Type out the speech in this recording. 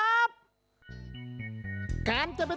อันนี้ท่าอะไรเมื่อกี้